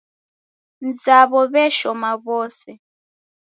Mzawo w'eshoma w'ose.